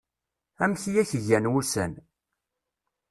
Amek i ak-gan wussan.